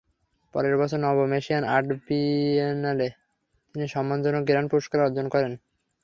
পরের বছর নবম এশিয়ান আর্ট বিয়েনালে তিনি সম্মানজনক গ্র্যান্ড পুরস্কার অর্জন করেন।